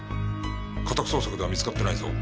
家宅捜索では見つかってないぞ。